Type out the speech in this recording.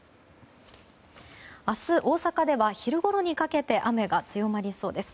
明日、大阪では昼ごろにかけて雨が強まりそうです。